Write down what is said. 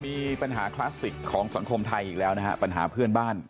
มีปัญหาคลาสสิกของสังคมไทยอีกแล้วนะฮะปัญหาเพื่อนบ้าน